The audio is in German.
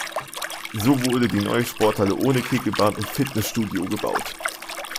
So wurde die neue Sporthalle ohne Kegelbahnen und Fitnessstudio gebaut.